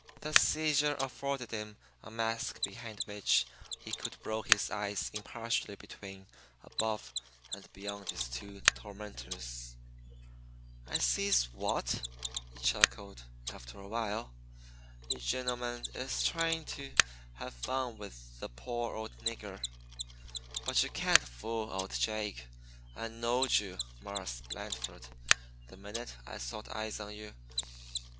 The seizure afforded him a mask behind which he could roll his eyes impartially between, above, and beyond his two tormentors. "I sees what!" he chuckled, after a while. "You gen'lemen is tryin' to have fun with the po' old nigger. But you can't fool old Jake. I knowed you, Marse Blandford, the minute I sot eyes on you.